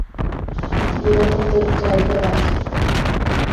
নিরাপদ জায়গায় আছে।